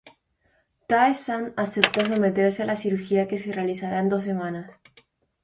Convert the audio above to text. Tae-san acepta someterse a la cirugía, que se realizará en dos semanas.